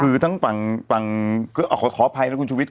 คือทั้งฝั่งขออภัยนะคุณชูวิทย์